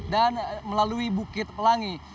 dan melalui bukit pelangi